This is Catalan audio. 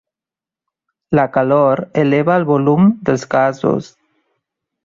La calor eleva el volum dels gasos.